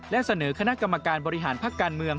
และเสนอคณะกรรมการบริหารพักการเมือง